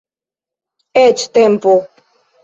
Eĉ tempo.